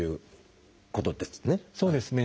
そうですね。